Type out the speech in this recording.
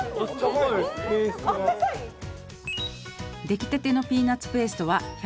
「できたてのピーナッツペーストは」